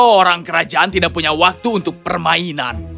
orang kerajaan tidak punya waktu untuk permainan